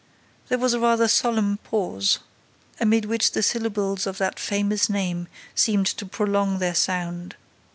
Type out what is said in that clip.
There was a rather solemn pause, amid which the syllables of the famous name seemed to prolong their sound.